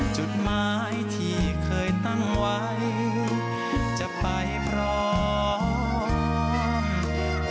จุดหมายที่เคยตั้งไว้จะไปพร้อม